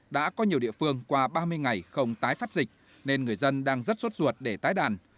đã có nhiều địa phương qua ba mươi ngày không tái phát dịch nên người dân đang rất suốt ruột để tái đàn